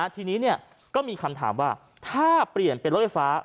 ทีนี้ก็มีคำถามว่าถ้าเปลี่ยนเป็นรถไฟฟ้า